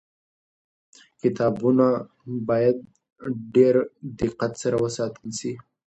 کتابونه باید په ډېر دقت سره وساتل سي.